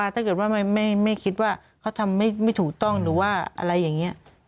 ถ้าเกิดว่าไม่คิดว่าเขาทำไม่ถูกต้องหรือว่าอะไรอย่างนี้